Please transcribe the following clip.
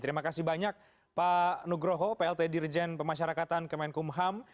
terima kasih banyak pak nugroho plt dirjen pemasyarakatan kemenkumham